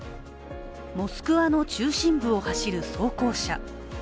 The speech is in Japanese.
モスクワの中心部を走る装甲車。